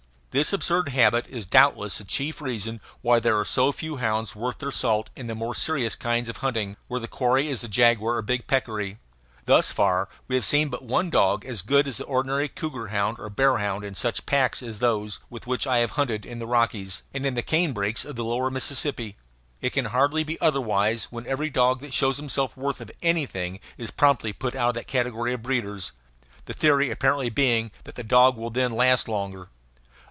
This absurd habit is doubtless the chief reason why there are so few hounds worth their salt in the more serious kinds of hunting, where the quarry is the jaguar or big peccary. Thus far we had seen but one dog as good as the ordinary cougar hound or bear hound in such packs as those with which I had hunted in the Rockies and in the cane brakes of the lower Mississippi. It can hardly be otherwise when every dog that shows himself worth anything is promptly put out of the category of breeders the theory apparently being that the dog will then last longer.